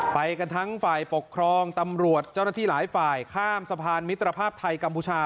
ไปกันทั้งฝ่ายปกครองตำรวจเจ้าหน้าที่หลายฝ่ายข้ามสะพานมิตรภาพไทยกัมพูชา